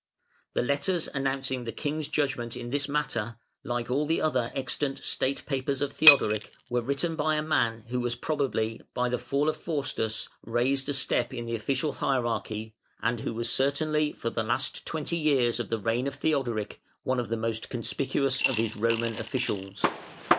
The letters announcing the King's judgment in this matter, like all the other extant state papers of Theodoric, were written by a man who was probably by the fall of Faustus raised a step in the official hierarchy, and who was certainly for the last twenty years of the reign of Theodoric one of the most conspicuous of his Roman officials.